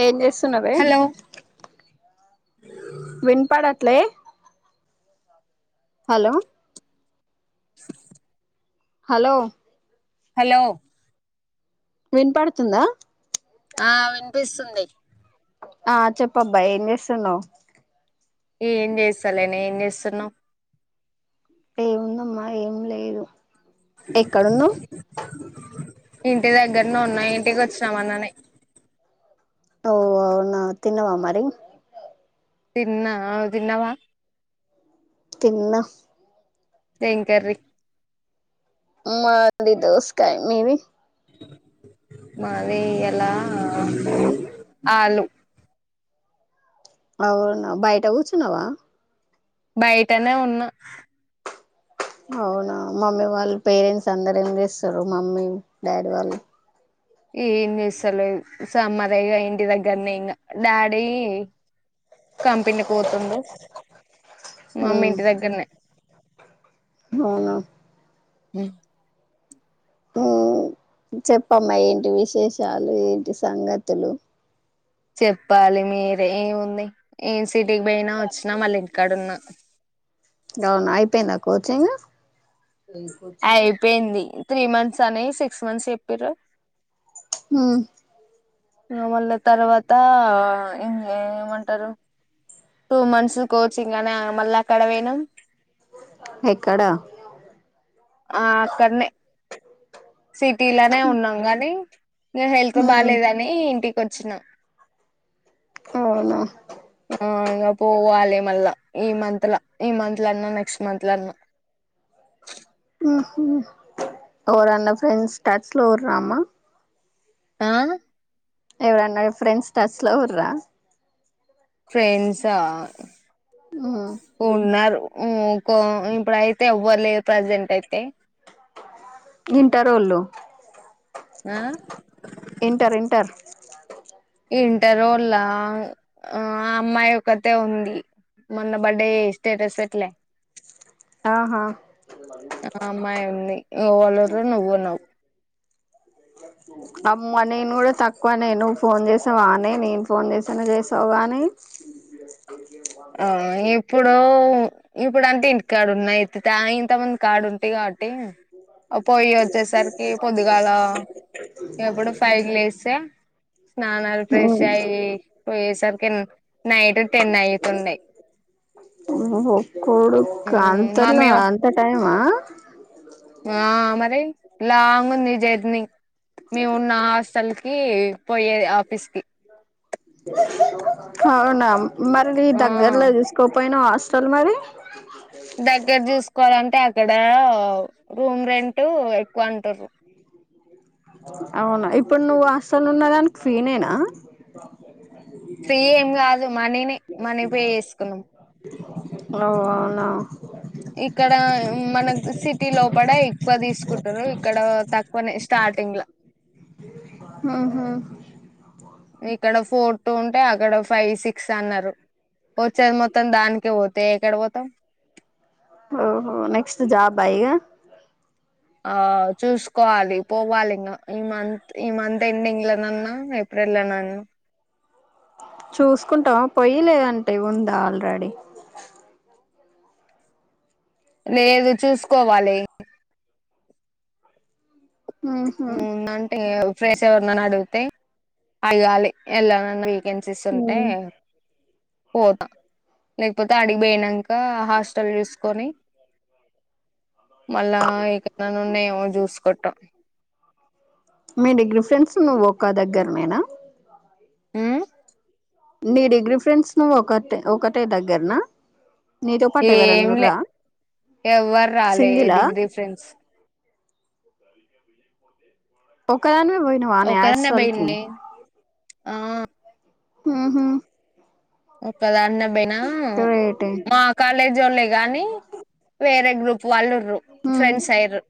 ఏం చెస్ తునవే హలో లే హలో హలో హలో వినపడుతుందా ఆ వినిపిస్తుంది. ఆ చెప్పబ్బా ఏం చేస్తునావ్? ఏం చేస్తలేేన్ ఏం చేస్తునా ఏముందిదమ్మా ఏం లేదు. ఎక్కడున్నావ్ ఇంటి దగ్గరనే ఉన్నా ఇంటికి వచ్చినా మొన్ననే ఓ అవునా తిన్నవా మరి? తిన్నా ఆ తిన్నవా? తిన్న ఏం కర్రీ? మాది దోసకాయ్ మీది? మాది ఈయల ఆలు అవునా బయట కూచున్నావా? బయటనే ఉన్నా అవునా మమ్మీ వాళ్ళు పేరెంట్స్ అందరు ఏం చేస్తుర్రు మమ్మీ డాడీ వాళ్ళు ఏం చేసాలెడ్ సమ్మరే ఇంటి దగ్గరనే ఇంకా డాడీ కంపెనీకి పోతుండు మమ్మీ ఉమ్ ఇంటి దగ్గరనే అవునా ఉమ్ ఉమ్ చెప్పమ్మా ఏంటి విశేషాలు ఏంటి సంగతులు? చెప్పాలి మీరే ఏముంది ఎస్ సిటీకి పోయినా వచ్చినా మళ్ళ ఇంటి కాడా ఉన్నా అవునా అయిపోయిందా కోచింగ్? అయ్పేంది త్రీ మంత్స్ అని సిక్స్ మంత్స్ చెపిన్రూ ఉమ్ ఏ మళ్ళీ తర్వాత ఇంగ ఏమంటారు, టూ మంత్స్ కోచింగ్ అని మళ్ళీ అక్కడ పోనాం ఎక్కడ ఆ అక్కడనే సిటీలనే ఉన్నాం గానీ నా హెల్త్ బాలేద్ అని ఇంటి వచ్చిన అవునా ఆ ఇగ పోవాలే మళ్ళా ఈ మంత్ ల, ఈ మంత్ ల అన్నా నెక్స్ట్ మంత్ ల అన్నా ఉహ్ ఉమ్ ఎవరు అన్న ఫ్రెండ్స్ టచ్ లో రామా ఆ ఎవరు అన్నా ఫ్రెండ్స్ టచ్ లో ఉర్రా ఫ్రెండ్సా హా ఉన్నారు ఉమ్ ఇంకా ఇప్పుడు అయితే ఎవర్లేర్ ప్రజెంట్ అయితే ఇంటర్ ఒళ్ళు ఆ ఇంటర్ ఇంటర్ అ ఇంటర్ వొళ్ళ ఆ అమ్మాయి ఒక్కతే ఉంది మొన్న బర్త్డే స్టేటస్ పేట్ల ఆహా ఆ అమ్మాయి ఉంది నువ్ వాల నువ్వున్నావు అమ్మ నేను కూడా తక్కువ నే నువ్వు ఫోన్ చేసావా ఆనే నేను ఫోన్ చేసాను చేస్తావు గానీ ఆ ఏప్పుడో ఇప్పుడు అంటే ఇంటికాడ ఉన్నాయి దాయి తమ్ముని కాడ ఉంటి కాబట్టి పోయి వచ్చేసరికి పొద్దుగాల ఎప్పుడు ఫైవ్ లేస్తే స్నానాలు ఫ్రెష్ అయ్యి పోయేసరికి నైట్ టెన్ అయ ఒక్కడు అంతలా మమ్మీ అంత మా ఆ మరి లాంగ్ ఉంది జర్నీ మేమున్న హాస్టల్ కి పోయేది ఆఫీస్కి అవున మరి ఆ దగ్గరలో తీసుకోకపోయినావ హాస్టల్ సల్ మరి దగ్గర చూసుకోవాలంటే ఆక్కడ రూమ్ రెంట్ ఎక్కువ అన్ టరు అ అవునా ఇప్పుడు నువ్వు హాస్టల్ ఉన్న గాని ప్రినే నా ఫ్రీ ఏం గాదు మనినే అవ్ అవునా ఇక్కడ మనక్ సిటీ లోపట ఎక్కువ తీసుకుంటరు ఇక్కడ తక్కువనే స్టార్టింగ్ లా ఆహా ఇక్కడ ఫోర్ టూ ఉంటే అక్కడ ఫైవ్ సిక్స్ అన్నారు వచ్చేది మొత్తం దానికే వోతే ఎక్కడ వోతం ఓహో నెక్స్ట్ జాబా ఇగ ఆ చూసుకోవాలి పోవాలి ఇంగ ఈ మంత్ ఈ మంత్ ఎండింగ్ లోనన్నా ఏప్రిల్ నన్న చూసుకుంటవ పొయ్యి లేదంటే ఉందా ఆల్ రడి లేదు చూసుకోవాలె ఉహు ఉన్నంటే ఫ్రెష్ర్ర్ ఎవరినని అడిగితే అడగాలి ఎల్లనన్న వీకెన్సీస్ ఉంటే పోత లేకపోతే ఆడికిబోయిన క హాస్టల్ సూసుకొని మళ్ళా ఇక్కడ నున్నా ఏమో జూసుకోంటా మీ డిగ్రీ ఫ్రెండ్స్ నువ్వు ఒక్క దగ్గర నేనా ఉ నీ డిగ్రీ ఫ్రెండ్స్ నువ్వు ఒకటే ఒక్కటే దగ్గర్ నా ఏం లే ఎవ్వర్ రాలే సింగిలా డిగ్రీ ఫ్రెండ్స్ ఒక్క దానివే ఉ పోయినవానే ఒకదాన్నే హాస్టల్ కి పోయింది ఆ ఉహా ఒక్కదాన్నే బైనా గ్రేటే మా కాలేజ్ జోన్లే గాని వేరే గ్రూప్ వాళ్లు రు ఉమ్ ఫ్రెండ్స్ అయ్యిర్రు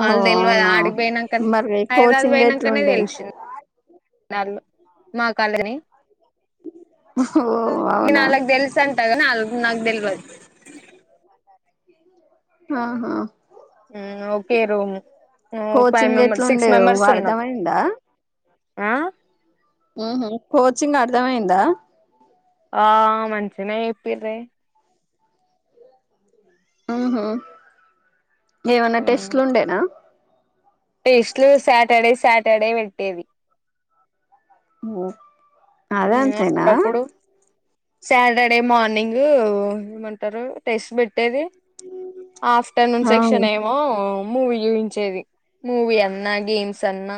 ఓ ఆళ్ళు దెల్వద్ అవునా ఆడికి పోయినంక మరి హైదరాబాద్ కోచింగ్ పోయినంకనే ఎట్లుండే తెలిసింది. నల్లు మా కాల్గని ఓ అవునా నేనాళ్లకు తెల్సంటగని ఆల్లు నాక్తేల్వద్ అ హా హ్మ్ ఓకే రూమ్ హ్మ్ ఫైవ్ కోచింగ్ మెంబర్ సిక్స్, ఎట్లుండే మెంబర్స్ ఉన్నాం. అర్థమైందా అ ఉహు కోచింగ్ అర్ధమయింద. ఆ మంచినే చెప్పిర్రే ఆహా ఏవన్నా ఉమ్ టెస్ట్లు ఉండేన టెస్ట్లు సాటర్డే సాటర్డే పెట్టేది. హ్మ్ అదంతేనా అప్పుడప్పుడు సాటర్డే మార్నింగు ఏమంటరు టెస్ట్ పెట్టేది. ఆఫ్టర్ నూన్ ఆహా సెక్షన్ ఏమో మూవీ చూయించేది మూవీ అన్నా, గేమ్స్ అన్నా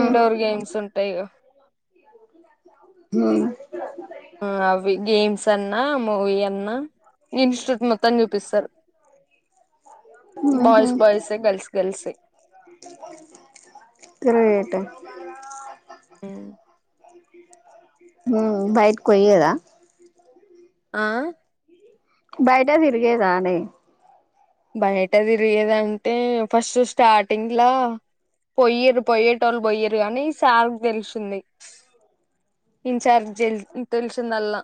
ఇండోర్ గేమ్స్ ఉంటయి ఇగ హ్మ్ అవి గేమ్స్ అన్నా, మూవీ అన్నా ఇన్స్ట్యూట్ మొత్తన్ని చూపిస్తారు. బాయ్స్ ఉహు బాయ్స్ ఏ గర్ల్స్ గర్ల్స్ సీ గ్రేట్ హ్మ్ ఉ బైటికోయ్యెద ఆ బయట తిరిగేదాని బయట తిరిగేదంటే ఫస్ట్ స్టార్టింగ్ల పొయ్యిరు పొయ్యేటోళ్ళు బోయ్యిరు గని సార్ తెలిసింది ఇంచార్జి జెల్ తెలిసిందల్ల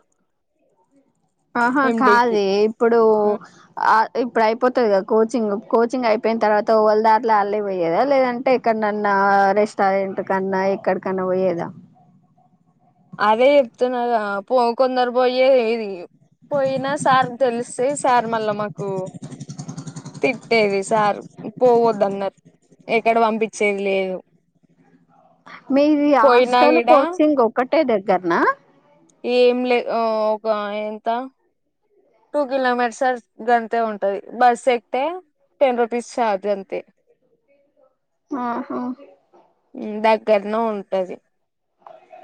ఆహా కాదే ఇప్పుడు అ ఇప్పుడు అయిపోతది గదా కోచింగ్ కోచింగ్ అయిపోయిన తర్వాత ఓల్దట్ల అల్లే పోయేదా లేదంటే ఎక్కడనన్నా రెస్టారెంట్ కన్నా ఎక్కడికన్నా వోయేదా అదే చెప్తున్నాగ పో కొందరు పోయే ఏది పోయినా సార్ తెలిస్తే సార్ మళ్ళా మాకు తిట్టేది సార్ పోవద్దన్నారు ఎకడ పంపించేది లేదు మీది పోయినా హాస్టల్ గిడ కోచింగ్ ఒక టె దగ్గర న ఏం లే ఒక ఎంత టూ కిలోమీటర్స్ గంతే ఉంటది బస్ ఎక్తే టెన్ రూపీస్ ఛార్జ్ అంతే ఆ హా హ్మ్ దగ్గరనే ఉంటది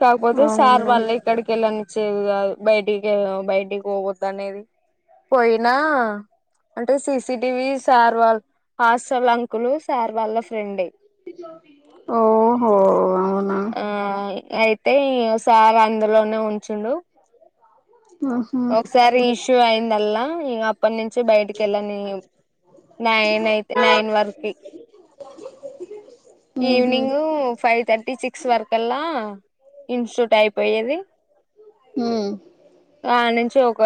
కాకపోతే సార్ అవునా వాల్లే ఎక్కడికి ఎళ్ళని చేది కాదు బయటికి బయటికి పోవోద్దనేది పోయినా అంటే సీసిటివీ సార్ వాళ్ హాస్టల్ అంకులు సార్ వాళ్ళ ఫ్రెండే ఓహో అవునా ఆ అయితే ఇగ సార్ ఆన్ లోనే ఉంచుండు ఉహు ఒకసారి ఇష్యూ అయిందల్లా ఇగ అప్ అప్పటి నుంచి బయటికెళ్ళనీయం నైన్ అయితే నైన్ వరకి ఉహు evening five thirty six వరకల్లా ఇన్స్ట్యూట్ అయిపోయేది హు ఆ నుంచి ఒక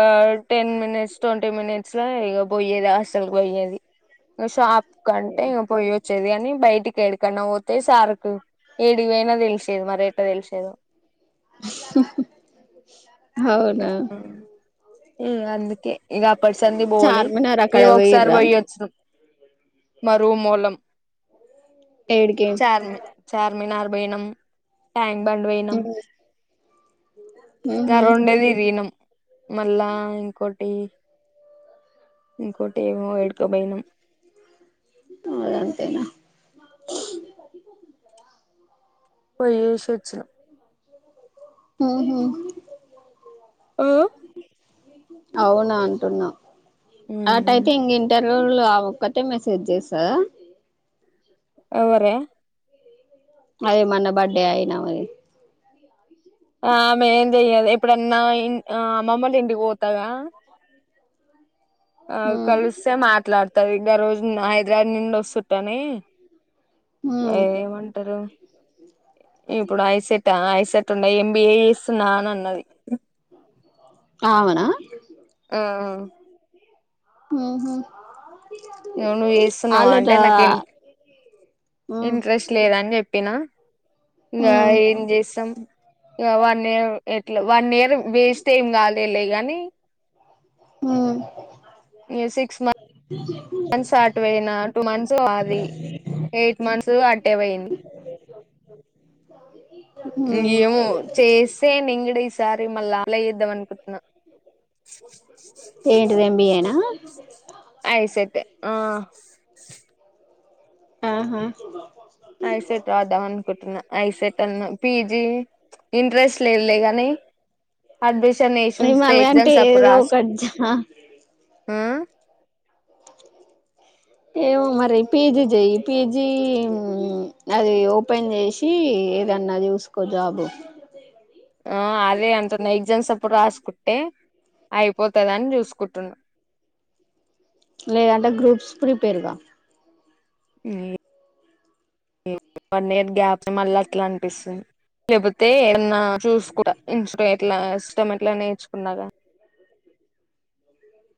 టెన్ మినిట్స్ ట్వంటీ మినిట్స్ ల ఇగ బోయేది హస్ స్టల్ పోయేది ఇగ షాప్ కంటే ఇగ పోయచ్చేది కాని బయటి కేడీకన్నా పొత్ తెలిసేది మరి ఎట్ట తెలిసేదో అవునా ఇగ అందుకే ఇక అప్పటిసంది బోలే చార్మినార్ అక్కడ మేము ఒకసారి పోయిర్రా బోయ్యి అచినం మా రూమోళ్ళం ఏడికి చార్మి చార్మినార్ బెనం ట్యాంకు బండ్ వేనం ఉ గ ఉహు రెండే మేమ్ దినమ్ మళ్ళా ఇంకోొటి ఇంకోొటి ఏమో ఏడుకోపోయినాం ఆ అంతేనా పోయి ఏష్ వచ్చినమ్ ఉహుమ్ అవునా అంటున్నా అట్ మ్మ్ అయితే ఇంగ ఇంటర్ ర్ లోలు అ ఒక్కటే మెసేజ్ చేస్తర ఎవరే అదే మొన్న బర్డే అయినామది ఆమ్ ఎమ్ చెయ్యదు ఎప్పుడన్నా ఆ అమ్మమ్మలు ఇంటికి పోతాగా ఆ ఉ కలిస్తే మాట్లాడుతది ఇంగ్ రోజు హైద్రాద్ నుండి వస్త్ చట్టానే ఉ [unintelligible] ఏమంటారు ఇప్పుడు ఐసెట్ ఐసెట్ తునై ఎంబిఏ చేస్తున్నాను అన్నది అవాన ఆ ఉమ్ ఇంగ్ నువ్వు చేస్తున్నావా అంటే నాకు ఇన్ మ్మ్ ఇంట్రెస్ట్ లేద అని చెప్ప పిన [unintelligible] ఇంగా మ్మ్ ఏం చేస్తాం ఇగ వన్ ఇయర్ ఎట్లా వన్ ఇయర్ వేస్ట్ ఏం కాలేలే గానీ ఉమ్ ఇగ్ సిక్స్ మంత్స్ త్స్ అట్ పోయినా టూ మంత్స్ ఆది ఎయిట్ మంత్స్ టూ అటే పోయింది ఏమో ఉమ్ చేస్తే నింగుడ ఈసారి మళ్ళ అప్లై చేద్దాం అనుకుంటున్నా ఏంటిది ఎంబిఏనా ఐ సెట్ ఆ ఆహా ఐసెట్ రాదాం అనుకుంటున్నా ఐసెట్ అన్నా పీజీ ఇంట్రెస్ట్ లేదులే గానీ అడ్మిష్ మీ మల్ గంటి ఏదో ఒకటి జ ఆ ఏమో మరి పీజీ చెయి, పీజీ ఉమ్ అది ఓపెన్ చేసి, ఏదన్నా చూసుకో జాబు. ఆ అదే అంటున్నా ఎగ్జామ్స్ అప్ అప్పుడు రాసుకుంటే అయిపోతుదని చూసుకుంటున్నా. లేదంటే గ్రూప్స్ ప్రిపేర్గా. ఉమ్ వన్ ఇయర్ గ్యాప్ మళ్ళీ అట్లా అనిపిస్తుంది. లేబోతే ఏన్నా చూస్ కుంట ఇన్స్టీ ఎట్లా సిస్టం ఏట్ల నేర్చుకున్నాగా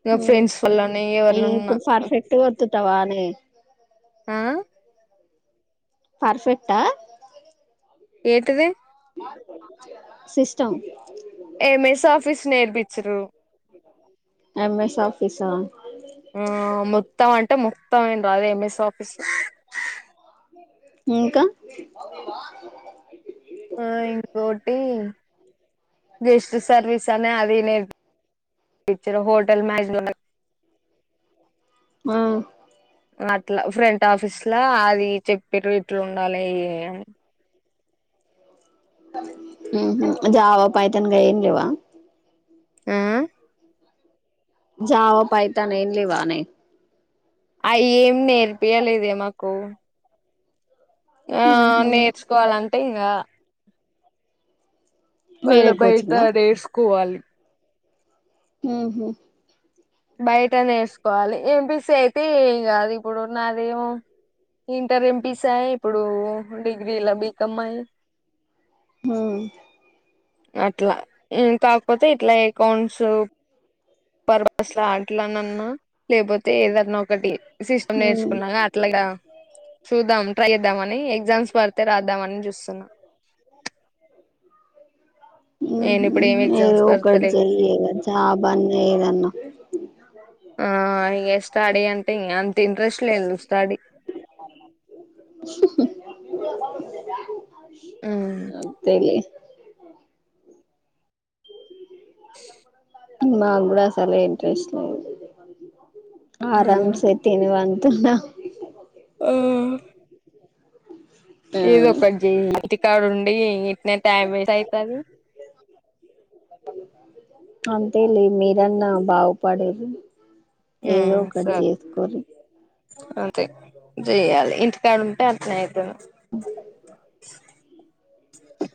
ఇగ మ్మ్ ఫ్రెండ్స్ ఫుల్ ని అయి ఎవరినన్నా. ఇప్పుడు పర్ఫెక్ట్ ఒత్తుతావా అని ఆ పర్ఫెక్టా ఏంటిది సిస్టం ఎం ఎస్ ఆఫీస్ నేర్పించిర్రు. ఎం ఎస్ ఆఫీసా ఆ మొత్తం అంటే మో తం ఏం రాదు, ఎం ఎస్ ఆఫీస్ ఇంకా ఆ ఇంకోటి గెస్ట్ సర్వీస్ అనే అది నేర్పించిండ్రు, హోటల్ మేనేజ్మెంట్ ఆ అట్లా ఫ్రంట్ ఆఫీస్ల అది చెప్పిరు ఇట్లా ఉండాలె అని. ఉహు జావా, పైతాన్ గవేం లేవా? ఆ జావా, పైతాన్ ఏం లేవానే? అయే ఏం నేర్పియలేదే మాకు ఆ ఉహు నేర్చుకోవాలంత్ అంటే ఇగ మల్ల వేరే బయటా కోచింగా నేర్సు కువాలి ఉహు బయట నేర్సుకోవాలి, ఎం పీ సి అయితే ఏం కాదు ఇప్పుడు నాదేమో, ఇంటర్ ఎం పీ సి ఆయే, ఇప్పుడు డిగ్రీల బీకమ్ ఆయే. హ్మ్ అట్లా, ఉమ్ కాకపోతే ఇట్లా ఎకౌంట్స్ పర్పస్ అట్లానన్నా లేపోతే ఏదన్నా ఒకటి సిస్టమ్ నేర్చుకున్నాగా అట్లాగా, చూద్దాం ట్రై చేద్దామ అని ఎగ్జామ్స్ పడతే రాద్దామని చూస్తున్నా. నేను ఉహు ఇప్పుడు ఏమి ఏదో ఎగ్జామ్స్ ఒకటి పడతలే చెయ్యి ఇగ, జాబ్ అన్నా ఏదన్నా ఆ ఇగ స్టడీ అంటే ఇంగ అంత ఇంట్రెస్ట్ లేదు, స్టడీ అంతే యే మాకు కూడా అసలే ఇంట్రెస్ట్ లేదు. ఆ ఆరమ్సే తిని వన్ [unintelligible] ఆ ఏదొ ఒకటి జేయి ఇంటికాడున్ టే ఇట్నే టైమ్ వేస్ట్ అయితది అంతే లే మీరన్నా బాగుపడుర్రి ఏదో ఉమ్ ఒకటి సో జేసుకొర్రి అంతే జేయ్యాలి ఇంటికాడుంటే అట్నే అయితను